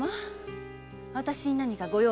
私に何かご用でも？